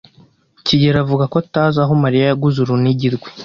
kigeli avuga ko atazi aho Mariya yaguze urunigi rwe.